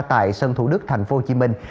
tại sân thủ đức thành phố hồ chí minh